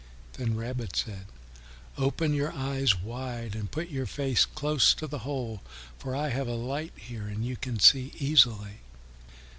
Then Rabbit said, "Open your eyes wide and put your face close to the hole, for I have a light here and you can see easily."